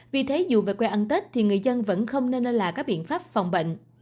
vì thế dù về quê ăn tết thì người dân vẫn không nên là các biện pháp phòng bệnh